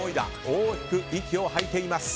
大きく息を吐いています。